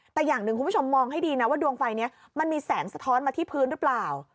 แต่อย่างหนึ่งคุณผู้ชมมองให้ดีนะว่าดวงไฟนี้มันมีแสงสะท้อนมาที่พื้นหรือเปล่า